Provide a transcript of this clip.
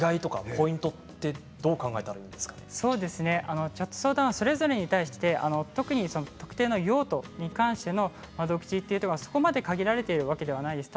ポイントはチャット相談それぞれに対して特に特定の用途に関しての窓口というのはそこまで限られているわけではないです。